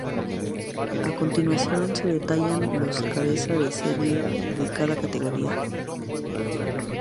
A continuación se detallan los cabeza de serie de cada categoría.